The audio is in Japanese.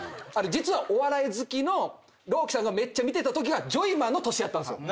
実はお笑い好きの朗希さんがめっちゃ見てたときがジョイマンの年やったんですよ。